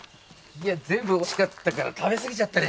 いや全部おいしかったから食べすぎちゃったね。